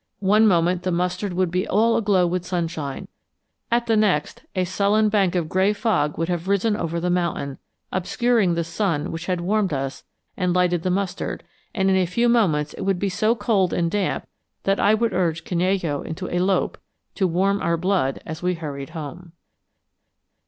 One moment the mustard would be all aglow with sunshine; at the next, a sullen bank of gray fog would have risen over the mountain, obscuring the sun which had warmed us and lighted the mustard; and in a few moments it would be so cold and damp that I would urge Canello into a lope to warm our blood as we hurried home.